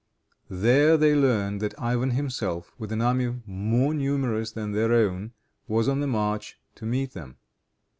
There they learned that Ivan himself, with an army more numerous than their own, was on the march to meet them.